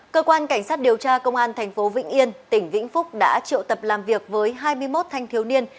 cơ quan cảnh sát điều tra công an thành phố vĩnh yên tỉnh vĩnh phúc đã triệu tập làm việc với hai mươi một thanh thiếu niên